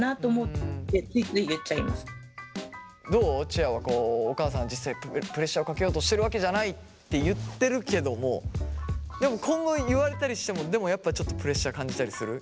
ちあはお母さんは実際プレッシャーをかけようとしてるわけじゃないって言ってるけどもでも今後言われたりしてもでもやっぱちょっとプレッシャー感じたりする？